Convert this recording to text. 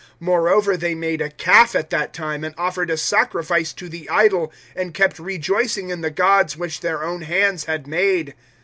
007:041 "Moreover they made a calf at that time, and offered a sacrifice to the idol and kept rejoicing in the gods which their own hands had made.